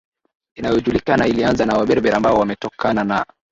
inayojulikana ilianza na Waberber ambao wametokana na